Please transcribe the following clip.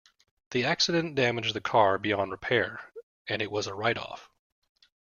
The accident damaged the car beyond repair, and it was a write-off